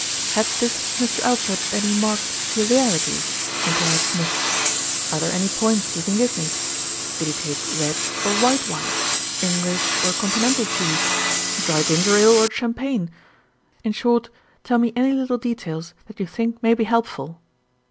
"Had this Mr. Alfred any marked peculiarities?" enquired Smith. "Are there any points you can give me? Did he take red or white wine, English or conti nental cheese, dry ginger ale or champagne? In short, tell me any little details that you think may be helpful."